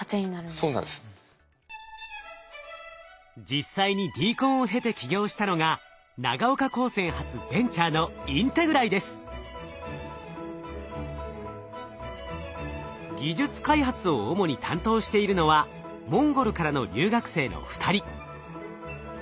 実際にＤＣＯＮを経て起業したのが長岡高専発ベンチャーの技術開発を主に担当しているのはモンゴルからの留学生の２人。